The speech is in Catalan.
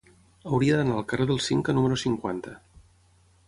Hauria d'anar al carrer del Cinca número cinquanta.